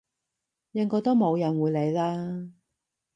應該都冇人會理啦！